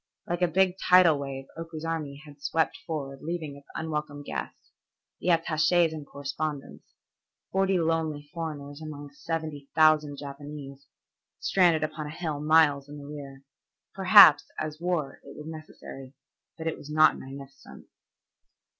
Like a big tidal wave Oku's army had swept forward leaving its unwelcome guests, the attaches and correspondents, forty lonely foreigners among seventy thousand Japanese, stranded upon a hill miles in the rear. Perhaps, as war, it was necessary, but it was not magnificent.